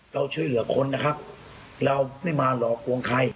เราช่วยเหลือคนนะครับเราไม่มาหลอกลวงใคร